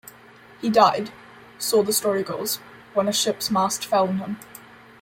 He died, so the story goes, when a ship's mast fell on him.